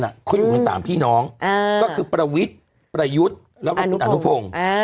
เขาอยู่กัน๓พี่น้องก็คือประวิทย์ประยุทธ์แล้วก็คุณอนุพงศ์